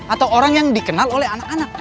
atau orang yang dikenal oleh anak anak